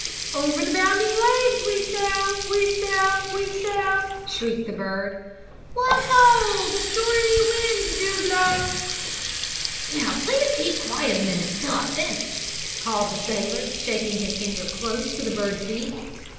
"Over the bounding waves, we sail, we sail, we sail!" shrilled the bird. "What ho! The stormy winds do blow!" "Now please keep quiet a minute until I finish," called the sailor, shaking his finger close to the bird's beak.